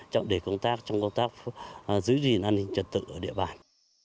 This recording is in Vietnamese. trong công tác giữ gìn an ninh trật tự ở địa bàn